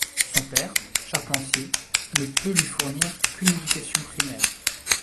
Son père, charpentier, ne peut lui fournir qu'une éducation primaire.